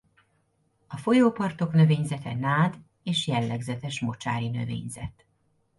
A folyópartok növényzete nád és jellegzetes mocsári növényzet.